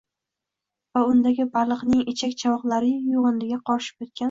va undagi baliqning ichak-chavoqlariyu yug‘indiga qorishib yotgan